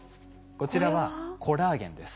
こちらはコラーゲンです。